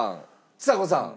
ちさ子さん。